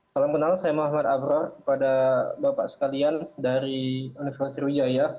salam kenal saya muhammad afro pada bapak sekalian dari universitas rujaya